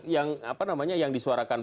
yang apa namanya yang disuarakan